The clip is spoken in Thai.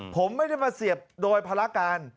ผมไม่ได้มาเสียบโดยภารการ